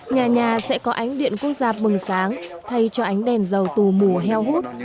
nhà nhà sẽ có ánh điện quốc gia bừng sáng thay cho ánh đèn dầu tù mù heo hút